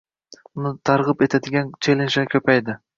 Buni targʻib etadigan chellenjlar koʻpaydi.